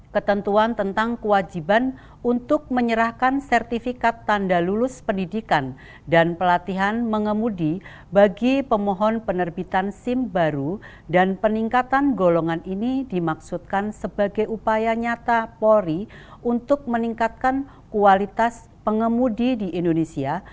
ketentuan tentang kewajiban untuk menyerahkan sertifikat tanda lulus pendidikan dan pelatihan mengemudi bagi pemohon penerbitan sim baru dan peningkatan golongan ini dimaksudkan sebagai upaya nyata polri untuk meningkatkan kualitas pengemudi di indonesia